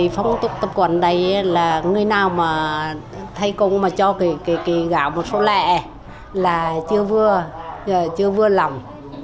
phong tục tập quần đây là người nào mà thay cúng mà cho cái gạo một số lẻ là chưa vừa lòng